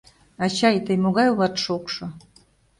Ачай, тый могай улат шокшо